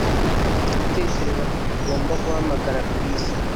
Ndatekereza ko tugomba guhamagara Chris